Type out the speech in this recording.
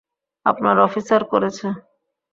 আপনার অফিসার করেছে।